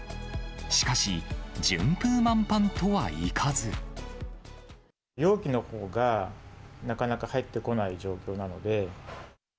しかし、容器のほうが、なかなか入ってこない状況なので。